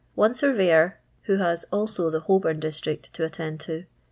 1 surveyor, who hai also the Holbom divUion to attend to.